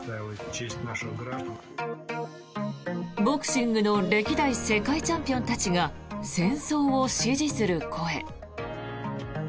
ボクシングの歴代世界チャンピオンたちが戦争を支持する声。